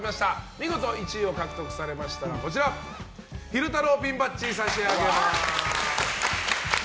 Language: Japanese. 見事１番を獲得されましたら昼太郎ピンバッジを差し上げます。